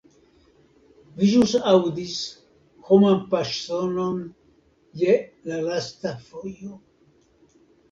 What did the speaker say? Vi ĵus aŭdis homan paŝsonon je la lasta fojo.